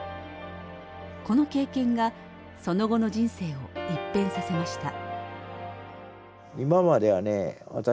この経験がその後の人生を一変させました。